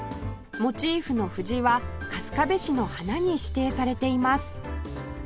モチーフの藤は春日部市の花に指定されています